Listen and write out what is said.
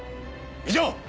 以上！